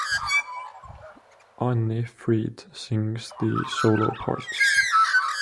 Anni-Frid sings the solo parts.